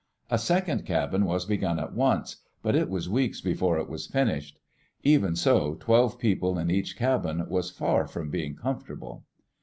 A second cabin was begun at once, but it was weeks before it was finished. Even so, twelve people in each cabin was far from being comfortable.